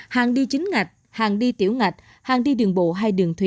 hàng đi chính ngạch hàng đi tiểu ngạch hàng đi đường bộ hay đường thủy